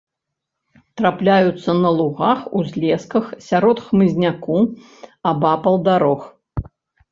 Трапляюцца на лугах, узлесках, сярод хмызняку, абапал дарог.